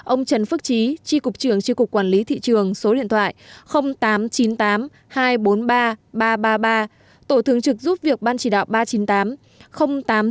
ông trần phước trí tri cục trường tri cục quản lý thị trường số điện thoại tám trăm chín mươi tám hai trăm bốn mươi ba ba trăm ba mươi ba tổ thường trực giúp việc ban chỉ đạo ba trăm chín mươi tám tám trăm chín mươi tám hai trăm bốn mươi hai hai trăm hai mươi hai